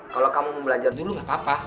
kalo kamu mau belajar dulu gapapa